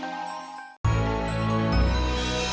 kau mau ngapain